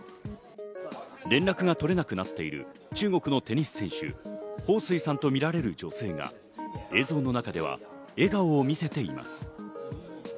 連絡が取れなくなっている中国のテニス選手・ホウ・スイさんとみられる女性が映像の中では笑顔を見せています。